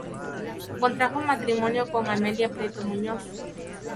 Contrajo matrimonio con Amelia Prieto Muñoz.